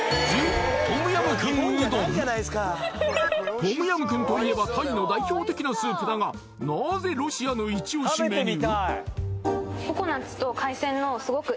トムヤムクンといえばタイの代表的なスープだがなぜロシアのイチオシメニュー？